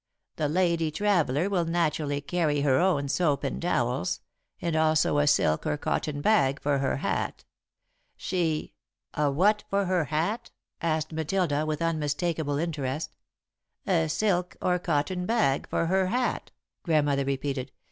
"'The lady traveller will naturally carry her own soap and towels, and also a silk or cotton bag for her hat. She '" "A what for her hat?" asked Matilda, with unmistakable interest. "'A silk or cotton bag for her hat,'" Grandmother repeated.